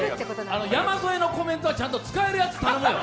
山添のコメントは、ちゃんと使えるやつ頼むよ。